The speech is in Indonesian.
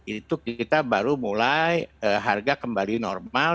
itu kita baru mulai harga kembali normal